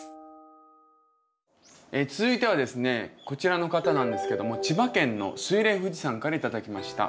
続いてはですねこちらの方なんですけども千葉県のスイレンフジさんから頂きました。